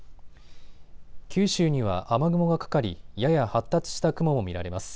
九州には雨雲がかかり、やや発達した雲が見られます。